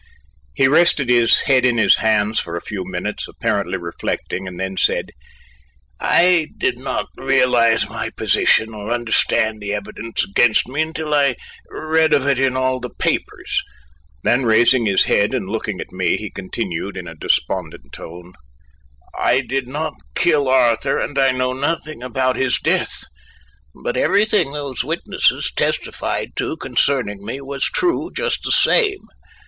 He rested his head in his hands for a few minutes, apparently reflecting, and then said: "I did not realize my position or understand the evidence against me until I read of it all in the papers." Then raising his head and looking at me, he continued in a despondent tone: "I did not kill Arthur and I know nothing about his death, but everything those witnesses testified to concerning me was true just the same.